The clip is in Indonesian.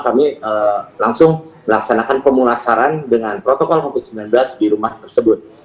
kami langsung melaksanakan pemulasaran dengan protokol covid sembilan belas di rumah tersebut